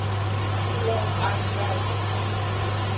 Pilão Arcado